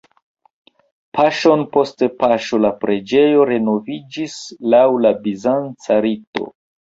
Paŝon post paŝo la preĝejo renoviĝis laŭ la bizanca rito.